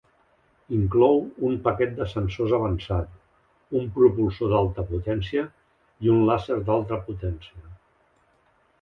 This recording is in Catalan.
Inclou un paquet de sensors avançat, un propulsor d'alta potència i un làser d'alta potència.